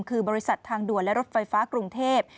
คือบริษัททางด่วนและรถไฟฟ้ากรุงเทพ